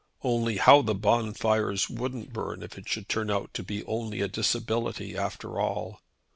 Only how the bonfires wouldn't burn if it should turn out to be only a disability after all.